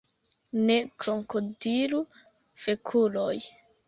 Ne krokodilu fekuloj!